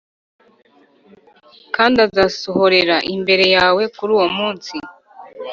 kandi azasohorera imbere yawe kuri uwo munsi